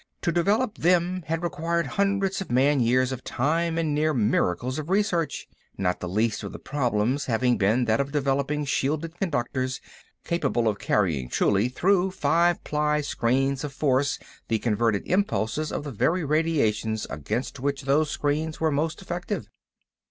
To develop them had required hundreds of man years of time and near miracles of research, not the least of the problems having been that of developing shielded conductors capable of carrying truly through five ply screens of force the converted impulses of the very radiations against which those screens were most effective.